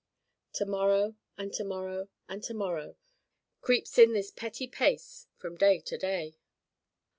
"To morrow and to morrow and to morrow Creeps in this petty pace from day to day."